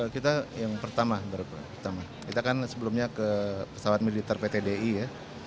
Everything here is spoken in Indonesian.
kita yang pertama kita kan sebelumnya ke pesawat militer pt di ya